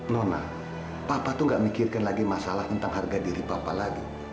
nona papa itu tidak memikirkan masalah tentang harga diri papa lagi